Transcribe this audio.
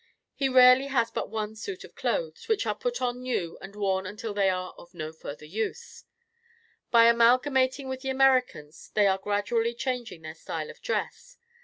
He rarely has but one suit of clothes, which are put on new and worn until they are of no further use. By amalgamating with the Americans, they are gradually changing their style of dress.